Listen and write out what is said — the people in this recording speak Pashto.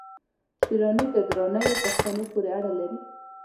شېراني د درانیو پښتنو پوري اړه لري